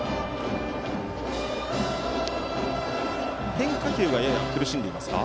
変化球にはやや苦しんでいますか？